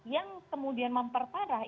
yang kemudian memperparah